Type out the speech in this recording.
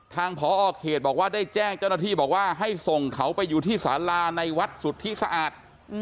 ทางพอเขตบอกว่าได้แจ้งเจ้าหน้าที่บอกว่าให้ส่งเขาไปอยู่ที่สาราในวัดสุทธิสะอาด